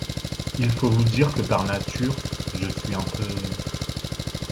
Il faut vous dire que par nature, je suis un peu…